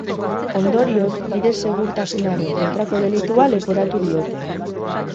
Ondorioz, bide segurtasunaren kontrako delitua leporatu diote.